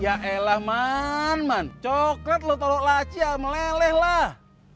ya elah man man coklat lo taruh laci ya meleleh lah